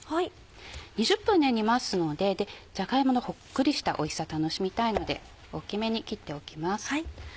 ２０分煮ますのでじゃが芋のほっくりしたおいしさ楽しみたいので大っきめに切っておきます。